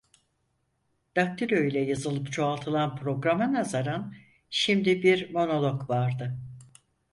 Daktilo ile yazılıp çoğaltılan programa nazaran şimdi bir monolog vardı.